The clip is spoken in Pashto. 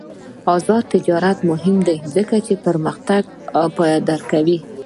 آزاد تجارت مهم دی ځکه چې پرمختګ پایداره کوي.